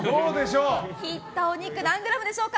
切ったお肉何グラムでしょうか。